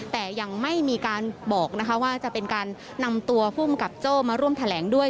แต่ยังไม่มีการบอกนะคะว่าจะเป็นการนำตัวภูมิกับโจ้มาร่วมแถลงด้วย